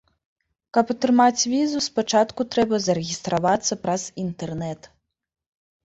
Каб атрымаць візу, спачатку трэба зарэгістравацца праз інтэрнэт.